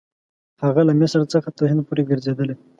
هغه له مصر څخه تر هند پورې ګرځېدلی.